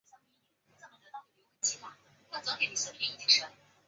黄花鱼为当地特产。